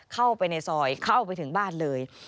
เข้าไปในซอยเข้าไปถึงบ้านเลย